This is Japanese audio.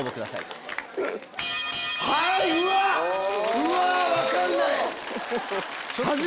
うわ分かんない！